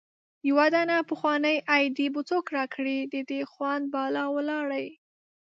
يو دانه پخوانۍ ايډي به څوک را کړي د دې خوند بالا ولاړی